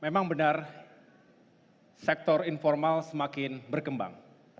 memang benar sektor informal semakin berkembang